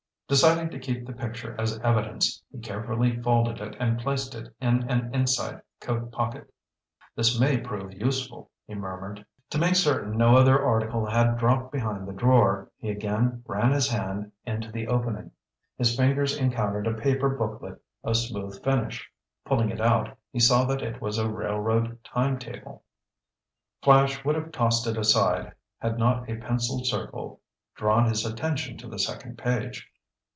Deciding to keep the picture as evidence, he carefully folded it and placed it in an inside coat pocket. "This may prove useful," he murmured. To make certain no other article had dropped behind the drawer, he again ran his hand into the opening. His fingers encountered a paper booklet of smooth finish. Pulling it out, he saw that it was a railroad time table. Flash would have tossed it aside had not a penciled circle drawn his attention to the second page.